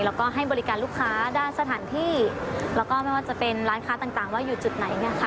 แล้วก็ให้บริการลูกค้าด้านสถานที่แล้วก็ไม่ว่าจะเป็นร้านค้าต่างว่าอยู่จุดไหนเนี่ยค่ะ